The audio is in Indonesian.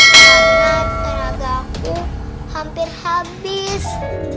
karena tenagaku hampir habis